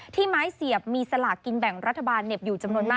ไม้เสียบมีสลากกินแบ่งรัฐบาลเหน็บอยู่จำนวนมาก